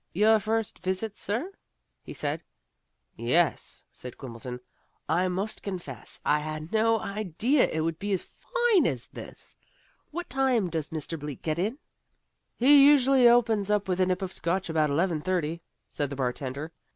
"Your first visit, sir?" he said. "Yes," said Quimbleton. "I must confess I had no idea it would be as fine as this. What time does Mr. Bleak get in?" "He usually opens up with a nip of Scotch about eleven thirty," said the bartender.